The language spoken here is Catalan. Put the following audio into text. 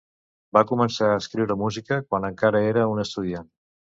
Va començar a escriure música quan encara era un estudiant.